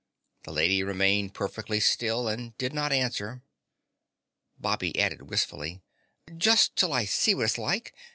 The lady remained perfectly still and did not answer. Bobby added wistfully: "Just till I see what it's like?